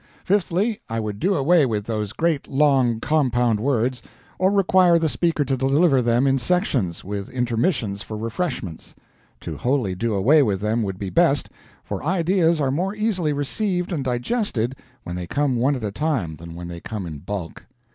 Fifthly, I would do away with those great long compounded words; or require the speaker to deliver them in sections, with intermissions for refreshments. To wholly do away with them would be best, for ideas are more easily received and digested when they come one at a time than when they come in bulk.